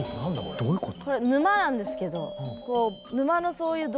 どういうこと？